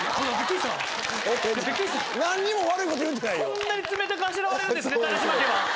こんなに冷たくあしらわれるんですね高嶋家は。